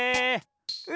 え！